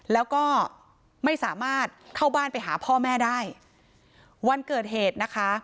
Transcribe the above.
แล้วก็ไม่สามารถเข้าบ้านไปหาพ่อแม่ได้วันเกิดเหตุนะคะ